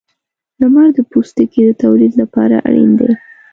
• لمر د پوستکي د تولید لپاره اړین دی.